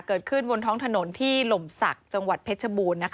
เกิดขึ้นบนท้องถนนที่หล่มศักดิ์จังหวัดเพชรบูรณ์